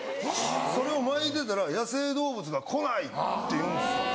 それをまいてたら野生動物が来ないっていうんですよ。